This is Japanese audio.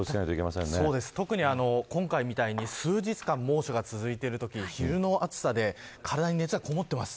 特に今回みたいに数日間猛暑が続いているとき昼の暑さで体に熱がこもっています。